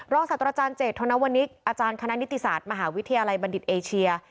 ศาสตราจารย์เจตธนวนิกอาจารย์คณะนิติศาสตร์มหาวิทยาลัยบัณฑิตเอเชีย